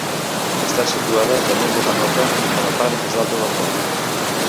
Està situada damunt d'una roca, a la part més alta del poble.